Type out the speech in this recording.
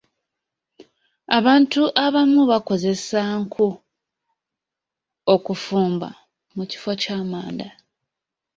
Abantu abamu bakozesa nku okufumba mu kifo ky'amanda.